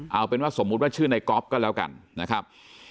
เอาเป็นว่าสมมุติว่าชื่อในก๊อฟก็แล้วกันนะครับ